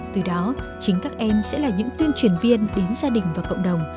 từ đó chính các em sẽ là những tuyên truyền viên đến gia đình và cộng đồng